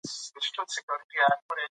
خلک په ګېنټو يو منګي اوبو ته انتظار کوي ـ